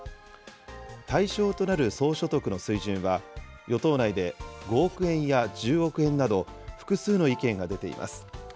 対象となる総所得の水準は、与党内で５億円や１０億円など、複数の意見が出ています。